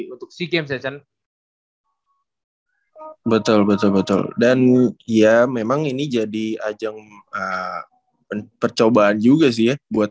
untuk sea games ya